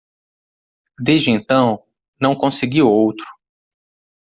Desde então, não consegui outro.